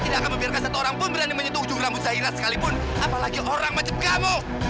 biar satu orang pun berani menyentuh ujung rambut syahira sekalipun apalagi orang macam kamu